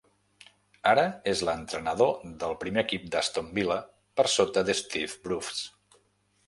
Ara és l'entrenador del primer equip d'Aston Villa per sota de Steve Bruce.